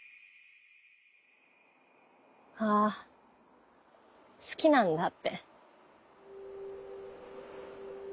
あ好きなんだって。